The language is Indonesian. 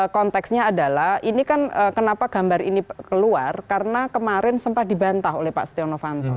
konteksnya adalah ini kan kenapa gambar ini keluar karena kemarin sempat dibantah oleh pak setia novanto